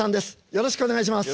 よろしくお願いします。